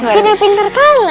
gede pinter kalian ya